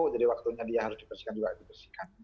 jadi waktunya dia harus dipersihkan juga